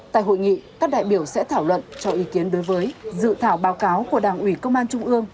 tại hội nghị các đại biểu sẽ thảo luận cho ý kiến đối với dự thảo báo cáo của đảng ủy công an trung ương